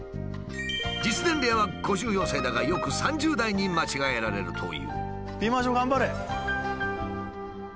実年齢は５４歳だがよく３０代に間違えられるという。